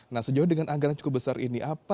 nah sejauh dengan anggaran cukup besar ini